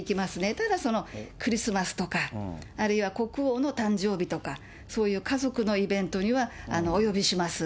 ただそのクリスマスとか、あるいは国王の誕生日とか、そういう家族のイベントにはお呼びします。